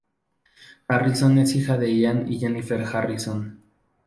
Harrison es hija de Ian y Jennifer Harrison.